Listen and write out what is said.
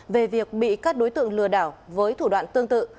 về việc bị các đối tượng lừa đảo với thủ đoạn tương tự